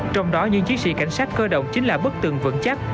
trong đó những chiến sĩ cảnh sát cơ động chính là bức tường vững chắc